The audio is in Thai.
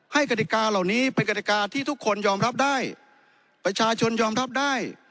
กฎิกาเหล่านี้เป็นกฎิกาที่ทุกคนยอมรับได้ประชาชนยอมรับได้